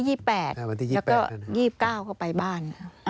แล้วก็วันที่๒๙เขาไปบ้าน